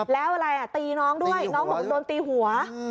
แล้วอะไรตีน้องด้วยน้องบอกโดนตีหัว